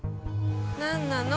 何なの？